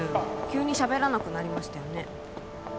急に喋らなくなりましたよね